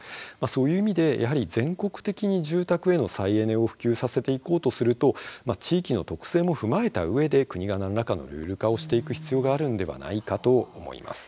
そういう意味で、やはり全国的に住宅への再エネを普及させていこうとすると地域の特性も踏まえたうえで国が何らかのルール化をしていく必要があるのではないかと思います。